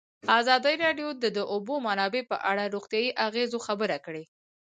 ازادي راډیو د د اوبو منابع په اړه د روغتیایي اغېزو خبره کړې.